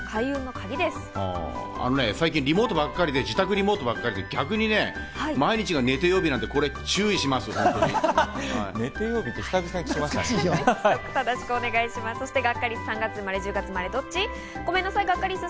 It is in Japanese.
最近リモートばっかりで自宅リモートばっかりで逆に寝て曜日って久々に聞きました。